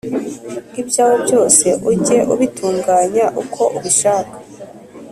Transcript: Ibyawe byose ujye ubitunganya uko ubishaka,